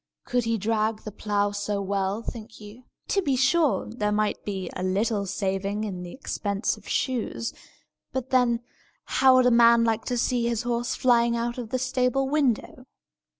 Could he drag the plough so well, think you? To be sure, there might be a little saving in the expense of shoes; but then, how would a man like to see his horse flying out of the stable window?